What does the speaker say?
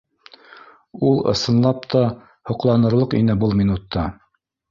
Ул, ысынлап та, һоҡланырлыҡ ине был минутта